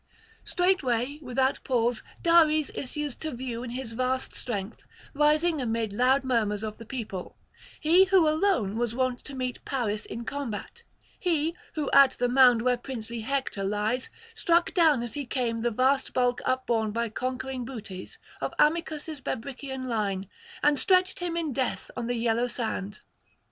Straightway without pause Dares issues to view in his vast strength, rising amid loud murmurs of the people; he who alone was wont to meet Paris in combat; he who, at the mound where princely Hector lies, struck down as he came the vast bulk upborne by conquering Butes, of Amycus' Bebrycian line, and stretched him in [374 410]death on the yellow sand.